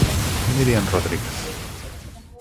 Míriam Rodríguez.